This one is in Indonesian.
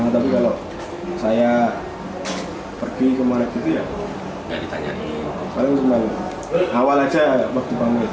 tapi kalau saya pergi ke mana gitu ya paling cuma awal aja waktu bangun